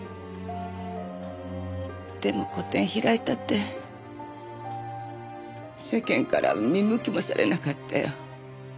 でも個展開いたって世間からは見向きもされなかったよ。